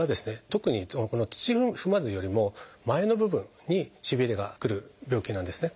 特にこの土踏まずよりも前の部分にしびれがくる病気なんですね。